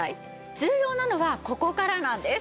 重要なのはここからなんです。